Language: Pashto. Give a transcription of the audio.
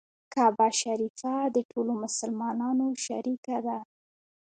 کعبه شریفه د ټولو مسلمانانو شریکه ده.